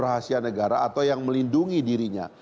rahasia negara atau yang melindungi dirinya